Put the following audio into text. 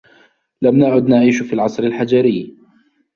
لم نعد نعيش في العصر الحجري.